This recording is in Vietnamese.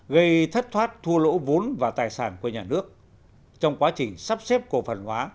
gây thất thoát thu lỗ vốn và tài sản của nhà nước trong quá trình sắp xếp cổ phần hóa